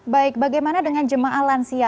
baik bagaimana dengan jemaah lansia